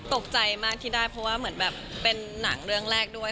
ตกใจมากที่ได้เพราะว่าเหมือนแบบเป็นหนังเรื่องแรกด้วย